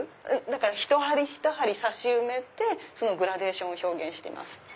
ひと針ひと針刺し埋めてグラデーションを表現してます。